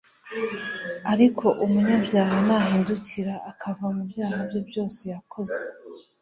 ariko umunyabyaha nahindukira akava mubyaha bye byose yakoze